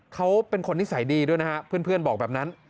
เขาเป็นคนนิสัยดีด้วยนะฮะเพื่อนบอกแบบนั้น